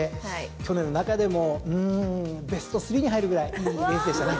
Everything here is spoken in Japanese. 去年の中でもうんベスト３に入るぐらいいいレースでしたね。